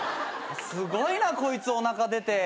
すごいなこいつおなか出て。